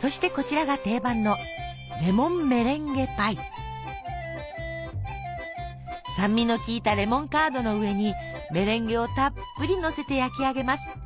そしてこちらが定番の酸味のきいたレモンカードの上にメレンゲをたっぷりのせて焼き上げます。